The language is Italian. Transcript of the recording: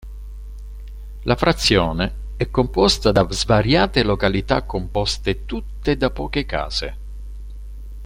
La frazione è composta da svariate località composte tutte da poche case.